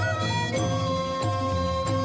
โอ้โหโอ้โหโอ้โห